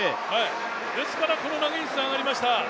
ですからこの投げにつながりました。